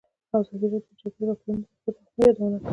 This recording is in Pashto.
ازادي راډیو د د جګړې راپورونه د مثبتو اړخونو یادونه کړې.